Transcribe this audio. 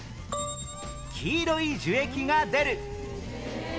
黄色い樹液が出る